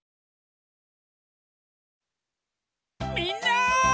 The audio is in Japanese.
みんな！